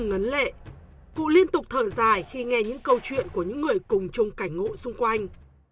ngắn lệ cụ liên tục thở dài khi nghe những câu chuyện của những người cùng chung cảnh ngộ xung quanh